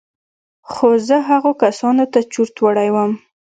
خو زه هغو کسانو ته چورت وړى وم.